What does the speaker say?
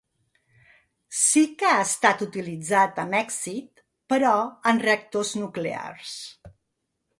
Sí que ha estat utilitzat amb èxit, però, en reactors nuclears.